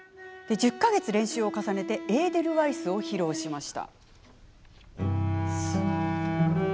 １０か月練習を重ねて「エーデルワイス」を披露しました。